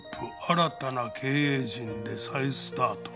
新たな経営陣で再スタート」